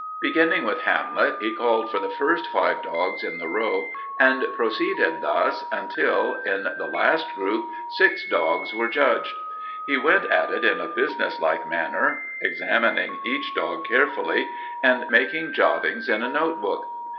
Beginning with Hamlet, he called for the first five dogs in the row, and proceeded thus until, in the last group, six were judged. He went at it in a businesslike manner, examining each dog carefully, and making jottings in a notebook.